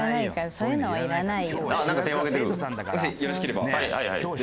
そういうのはいらないよ。